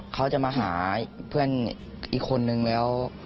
เขาจะมาหาเพื่อนอีกคนนึงแล้ว